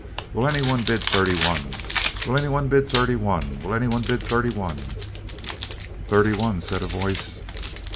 Will any one bid thirty one? Will any one bid thirty one? Will any one bid thirty one?" "Thirty one," said a voice.